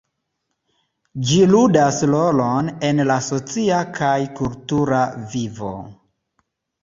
Ĝi ludas rolon en la socia kaj kultura vivo.